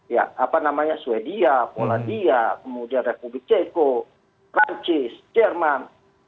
ya apa namanya swedia polandia kemudian republik ceko perancis jerman